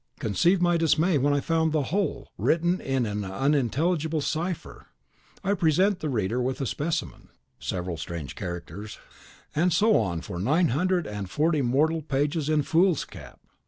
Conceive my dismay when I found the whole written in an unintelligible cipher. I present the reader with a specimen: (Several strange characters.) and so on for nine hundred and forty mortal pages in foolscap.